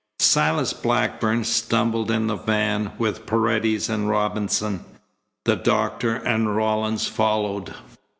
Silas Blackburn stumbled in the van with Paredes and Robinson. The doctor and Rawlins followed.